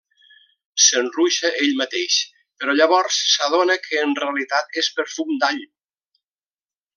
Se'n ruixa ell mateix però llavors s'adona que en realitat és perfum d'all.